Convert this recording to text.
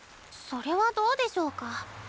それはどうでしょうか。